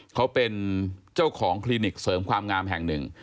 เขาเป็นเจ้าของคลินิกเสริมความงามแห่งหนึ่ง